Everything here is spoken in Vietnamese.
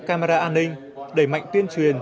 camera an ninh đẩy mạnh tuyên truyền